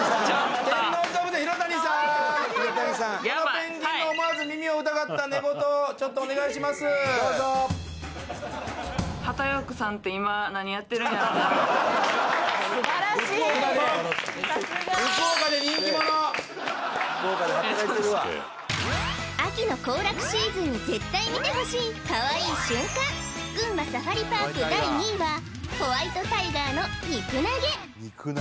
福岡で福岡で働いてるわ秋の行楽シーズンに絶対見てほしいかわいい瞬間群馬サファリパーク第２位はホワイトタイガーの肉投げ